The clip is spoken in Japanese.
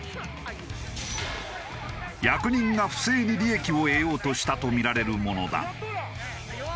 役人が不正に利益を得ようとしたとみられるものだ。